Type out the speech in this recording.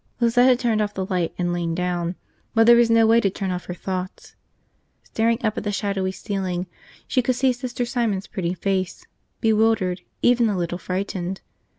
Lizette had turned off the light and lain down, but there was no way to turn off her thoughts. Staring up at the shadowy ceiling, she could see Sister Simon's pretty face, bewildered, even a little frightened.